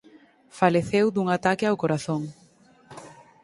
Faleceu dun ataque ao corazón.